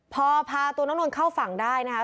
พอพาตัวน้องนนท์เข้าฝั่งได้นะคะ